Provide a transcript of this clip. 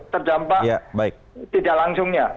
terdampak tidak langsungnya